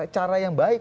cara yang baik